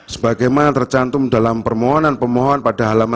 sebagaimana tercantum dalam permohonan pemohon pada halaman tiga puluh lima